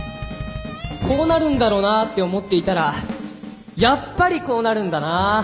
こうなるんだろうなって思っていたらやっぱりこうなるんだな。